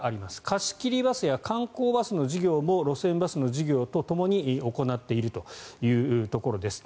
貸し切りバスや観光バスの事業も路線バスの事業とともに行っているというところです。